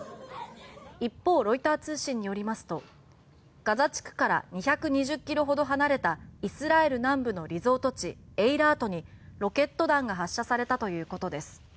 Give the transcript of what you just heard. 一方、ロイター通信によりますとガザ地区から２２０キロほど離れたイスラエル南部のリゾート地エイラートにロケット弾が発射されたということです。